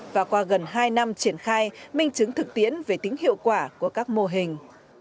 và qua gần hai năm triển khai minh chứng thực tiễn về tính hiệu quả của các mô hình